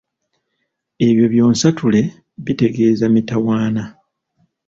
Ebyo byonsatule bitegeeza mitawaana.